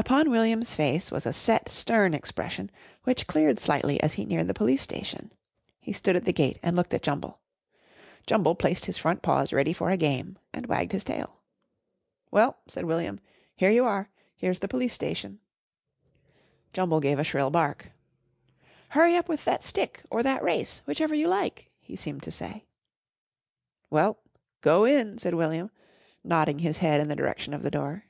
Upon William's face was a set, stern expression which cleared slightly as he neared the Police Station. He stood at the gate and looked at Jumble. Jumble placed his front paws ready for a game and wagged his tail. "Well," said William, "here you are. Here's the Police Station." Jumble gave a shrill bark. "Hurry up with that stick or that race, whichever you like," he seemed to say. "Well, go in," said William, nodding his head in the direction of the door.